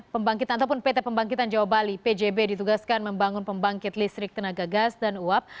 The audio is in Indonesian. pembangkitan ataupun pt pembangkitan jawa bali pjb ditugaskan membangun pembangkit listrik tenaga gas dan uap